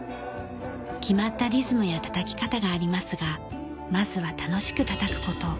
決まったリズムや叩き方がありますがまずは楽しく叩く事。